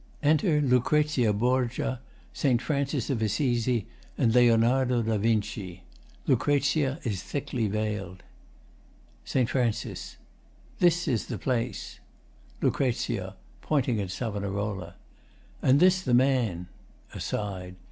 [Enter LUCREZIA BORGIA, ST. FRANCIS OF ASSISI, and LEONARDO DA VINCI. LUC. is thickly veiled.] ST. FRAN. This is the place. LUC. [Pointing at SAV.] And this the man! [Aside.